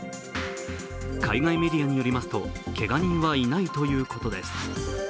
海外メディアによりますとけが人はいないということです。